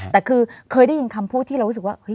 แต่คือเคยได้ยินคำพูดที่เรารู้สึกว่า